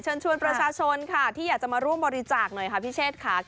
เชิญชวนประชาชนค่ะที่อยากจะมาร่วมบริจาคหน่อยค่ะพี่เชษค่ะ